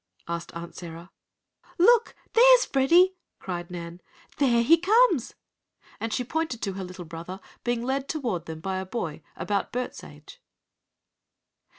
asked Aunt Sarah. "Look. There's Freddie!" cried Nan. "There he comes!" and she pointed to her little brother being led toward them by a boy about Bert's age.